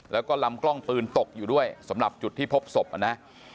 แล้วก็ลำกล้องปืนตกอยู่ด้วยสำหรับจุดที่พบศพนะ